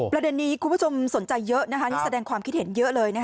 ประเด็นนี้คุณผู้ชมสนใจเยอะนี่แสดงความคิดเห็นเยอะเลย